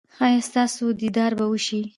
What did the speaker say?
ایا ستاسو دیدار به وشي؟